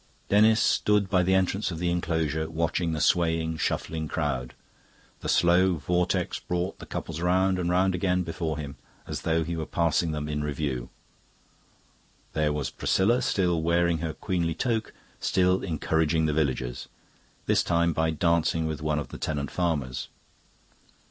Denis stood by the entrance of the enclosure, watching the swaying, shuffling crowd. The slow vortex brought the couples round and round again before him, as though he were passing them in review. There was Priscilla, still wearing her queenly toque, still encouraging the villagers this time by dancing with one of the tenant farmers.